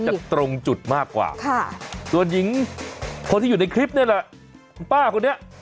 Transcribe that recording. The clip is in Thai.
ตรงจุดมากกว่าส่วนหญิงคนที่อยู่ในคลิปนี่แหละคุณป้าคนนี้